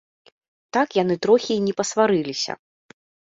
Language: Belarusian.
Так яны трохі й не пасварыліся.